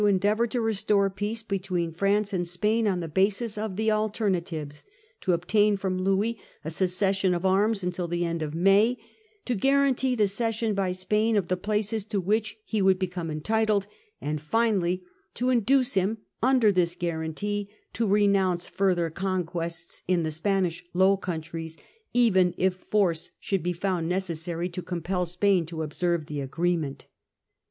* endeavour to restore peace between France and Spain on the basis of the 'alternatives,' to obtain from Louis a cessation of arms until the end of May, to guarantee the cession by Spain of the places to which he 1668. Secret Articles in the Treaty \ l6* would become entitled, and finally to induce him, under this guarantee, to renounce further conquests in the Spanish Low Countries, even if force should be found necessary to compel Spain to observe the agreement.